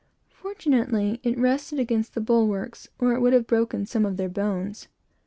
Fortunately, it rested against the bulwarks, or it would have broken some of their bones.